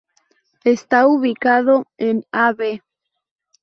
Está ubicado en av.